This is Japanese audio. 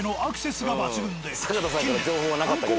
近年。